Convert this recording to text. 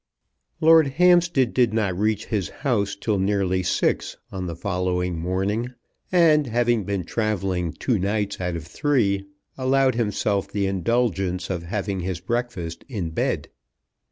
Lord Hampstead did not reach his house till nearly six on the following morning, and, having been travelling two nights out of three, allowed himself the indulgence of having his breakfast in bed.